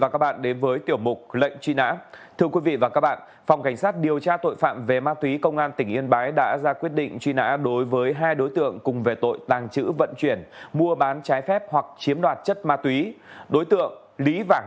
chào mừng quý vị đến với tiểu mục lệnh truy nã